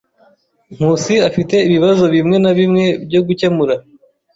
Nkusi afite ibibazo bimwe na bimwe byo gukemura.